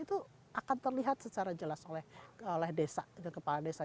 itu akan terlihat secara jelas oleh desa ke kepala desa